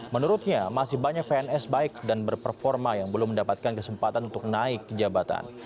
menurutnya masih banyak pns baik dan berperforma yang belum mendapatkan kesempatan untuk naik ke jabatan